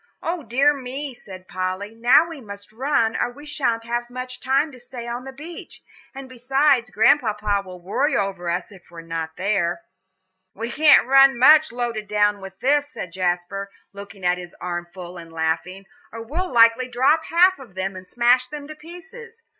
"O dear me," said Polly, "now we must run, or we sha'n't have much time to stay on the beach; and besides, Grandpapa will worry over us if we're not there." "We can't run much, loaded down with this," said Jasper, looking at his armful and laughing, "or we'd likely drop half of them, and smash them to pieces.